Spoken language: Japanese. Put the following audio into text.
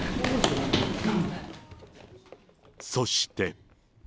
そして。